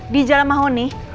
di jalan mahoni